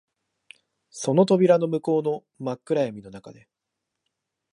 その扉の向こうの真っ暗闇の中で、